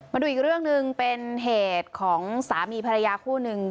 มาดูอีกเรื่องหนึ่งเป็นเหตุของสามีภรรยาคู่หนึ่ง